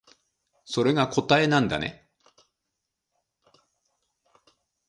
それが答えなんだね